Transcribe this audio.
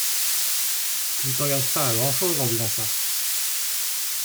Tu ne t’engages pas à grand’chose en disant ça !